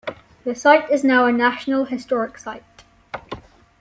The site is now a National Historic Site.